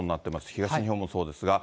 東日本もそうですが。